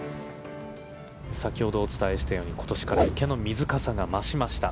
先ほどお伝えしたように今年から池の水かさが増しました。